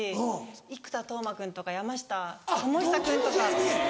生田斗真君とか山下智久君とか。